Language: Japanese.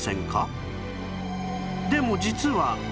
でも実は